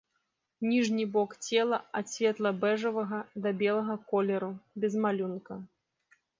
Ніжні бок цела ад светла-бэжавага да белага колеру, без малюнка.